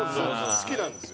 好きなんですよ。